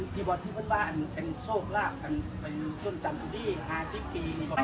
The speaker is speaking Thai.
ติบสุกกันผู้ช็อกสาวผักจุวางต่างวีทาน